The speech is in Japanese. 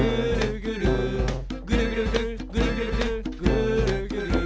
「ぐるぐるぐるぐるぐるぐるぐーるぐる」